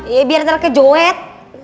iya biar terkejohet